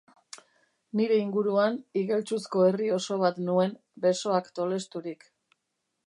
Nire inguruan, igeltsuzko herri oso bat nuen, besoak tolesturik.